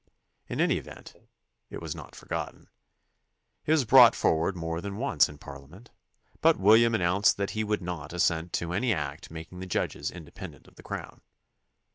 In any event it was not forgotten. It was brought for ward more than once in Parliament, but WiUiam an nounced that he would not assent to any act making the judges independent of the crown.